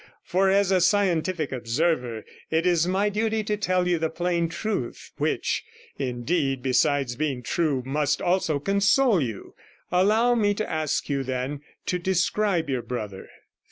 For, as a scientific observer, it is my duty to tell you the plain truth, which, indeed, besides being true, must also console you. Allow me to ask you then to describe your brother.'